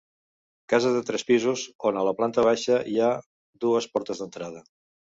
Casa de tres pisos, on a la planta baixa hi ha dues portes d'entrada.